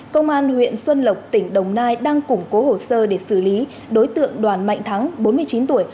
công an huyện xuân lộc tỉnh đồng nai đang củng cố hồ sơ để xử lý đối tượng đoàn mạnh thắng bốn mươi chín tuổi